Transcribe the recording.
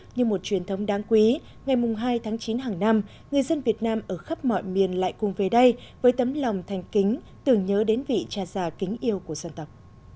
như một truyền thống đáng quý ngày hai tháng chín hàng năm người dân việt nam ở khắp mọi miền lại cùng về đây với tấm lòng thành kính tưởng nhớ đến vị cha già kính yêu của dân tộc